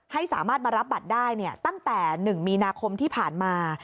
ให้สามารถมารับบัตรได้ตั้งแต่๑มีนาคมที่ผ่านมา